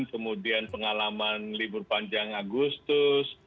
kemudian pengalaman libur panjang agustus